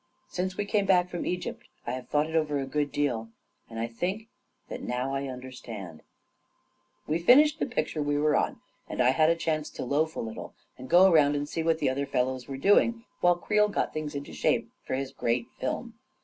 Since we came back from Egypt, I have thought it over a good deal, and I think that now I understand ... We finished the picture we were on, and I had a chance to loaf a little and go around and see what the other fellows were doing, while Creel got things into shape for his great film.